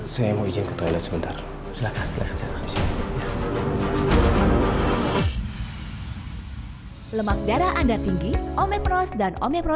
saya mau izin ke toilet sebentar